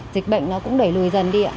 dịch bệnh nó cũng đẩy lùi dần đi